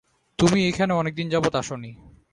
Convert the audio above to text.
তুমি এখানে অনেকদিন যাবত আসোনি।